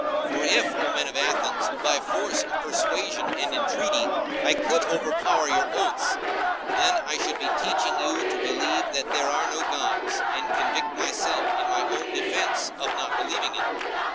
For if, O men of Athens, by force of persuasion and entreaty, I could overpower your oaths, then I should be teaching you to believe that there are no gods, and convict myself, in my own defence, of not believing in them.